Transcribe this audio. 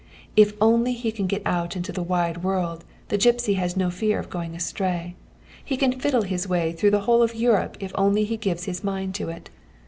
If only he can get out into the wide world, the gipsy has no fear of going astray. He can fiddle his way through the whole of Europe if only he gives his mind to it.